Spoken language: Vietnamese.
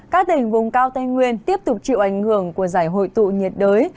các tỉnh vùng cao tây nguyên tiếp tục chịu ảnh hưởng của giải hội tụ nhiệt đới